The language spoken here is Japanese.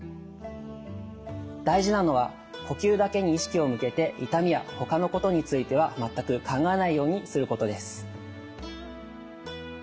大事なのは呼吸だけに意識を向けて痛みや他のことについては全く考えないようにすることです。